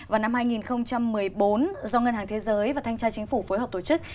vào năm hai nghìn một mươi bốn do ngân hàng thế giới và thanh tra chính phủ phối hợp tổ chức